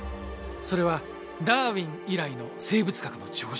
それはダーウィン以来の生物学の常識。